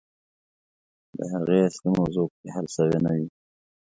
د هغې اصلي موضوع پکښې حل سوې نه وي.